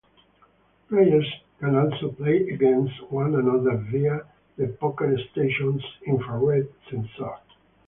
Players can also play against one another via the PocketStation's infrared sensor.